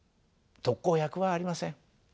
特効薬はありません。